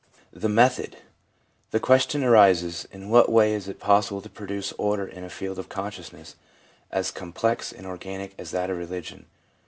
The Method. — The question arises, In what way is it possible to produce order in a field of consciousness as complex and organic as that of religion